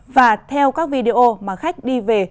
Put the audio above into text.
và theo các video mà khách đi về